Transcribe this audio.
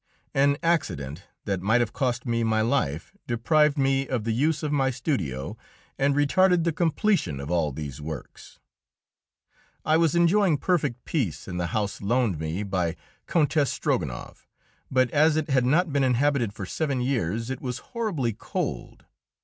An accident that might have cost me my life deprived me of the use of my studio and retarded the completion of all these works. I was enjoying perfect peace in the house loaned me by Countess Strogonoff, but, as it had not been inhabited for seven years, it was horribly cold.